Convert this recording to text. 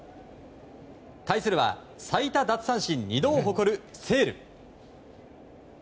対するは最多奪三振２度を誇るセール。